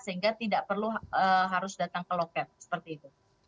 sehingga tidak perlu harus datang ke loket seperti itu